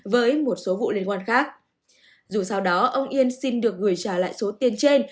với một số vụ liên quan khác dù sau đó ông yên xin được gửi trả lại số tiền trên